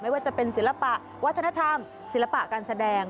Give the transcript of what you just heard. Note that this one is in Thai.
ว่าจะเป็นศิลปะวัฒนธรรมศิลปะการแสดง